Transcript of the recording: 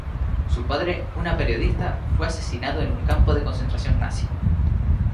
Su padre, un periodista, fue asesinado en un campo de concentración nazi.